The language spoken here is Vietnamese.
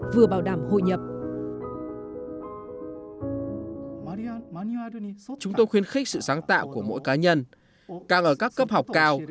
vừa bảo đảm hội nhập chúng tôi khuyến khích sự sáng tạo của mỗi cá nhân càng ở các cấp học cao